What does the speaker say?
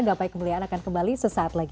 gapai kemuliaan akan kembali sesaat lagi